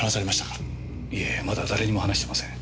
いえまだ誰にも話してません。